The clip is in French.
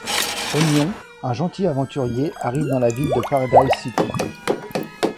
Onion, un gentil aventurier arrive dans la ville de Paradise City.